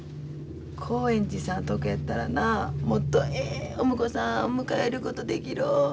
興園寺さんとこやったらなもっとええお婿さん迎えることできるろ。